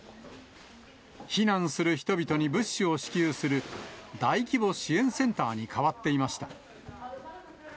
避難する人々に物資を支給する、大規模支援センターに変わっていました。